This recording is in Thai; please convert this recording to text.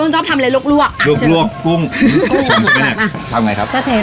เอาไงลงไป